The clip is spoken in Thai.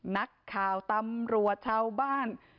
นักข่าวตำรวจชาวบ้าน